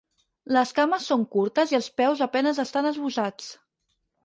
Les cames són curtes i els peus a penes estan esbossats.